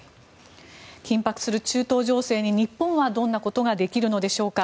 緊迫する中東情勢に日本はどういうことができるんでしょうか。